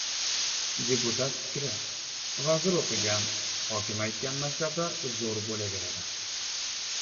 Deputat fikri: "Vazir o‘qigan", "hokim aytgan" maktablar zo‘r bo‘laveradi..."